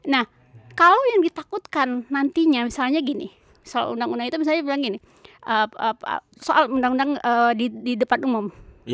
nah kalau yang ditakutkan nantinya misalnya gini soal undang undang itu misalnya bilang gini soal undang undang di depan umum